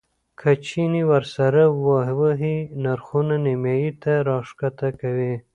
که چنې ورسره ووهې نرخونه نیمایي ته راښکته کوي.